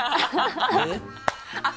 えっ？